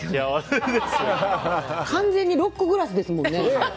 完全にロックグラスですもんね。